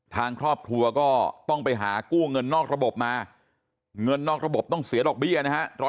ทางครอบครัวก็ต้องไปหากู้เงินนอกระบบมาเงินนอกระบบต้องเสียดอกเบี้ยนะฮะ